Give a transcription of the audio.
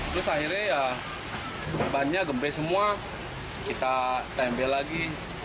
terus akhirnya ya bannya gempe semua kita tempel lagi